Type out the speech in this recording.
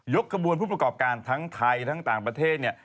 กระบวนผู้ประกอบการทั้งไทยทั้งต่างประเทศเนี่ย